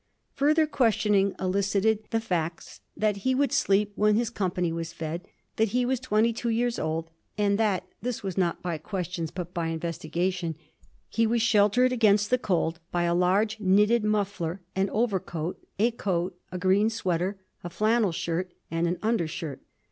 Further questioning elicited the facts that he would sleep when his company was fed, that he was twenty two years old, and that this not by questions but by investigation he was sheltered against the cold by a large knitted muffler, an overcoat, a coat, a green sweater, a flannel shirt and an undershirt.